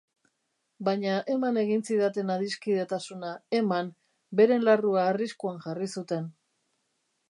Baina eman egin zidaten adiskidetasuna, eman, beren larrua arriskuan jarri zuten.